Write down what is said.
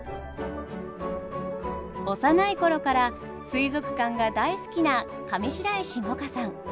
幼い頃から水族館が大好きな上白石萌歌さん。